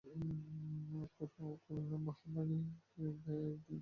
করোনায় মৃত্যুহীন এক দিন, শনাক্ত